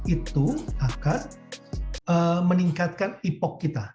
itu akan meningkatkan ipok kita